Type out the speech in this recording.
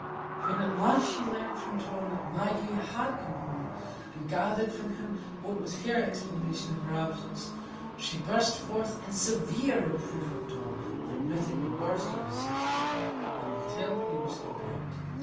When at last she learned from Tom that Maggie had come home, and gathered from him what was her explanation of her absence, she burst forth in severe reproof of Tom for admitting the worst of his sister until he was compelled.